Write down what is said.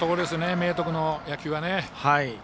明徳の野球はね。